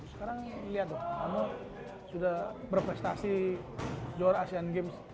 sekarang lihat loh kamu sudah berprestasi juara asian games